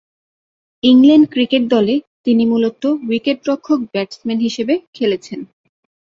England cricket দলে তিনি মূলতঃ উইকেট-রক্ষক-ব্যাটসম্যান হিসেবে খেলেছেন।